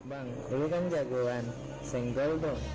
bang dulu kan jagoan senggol dong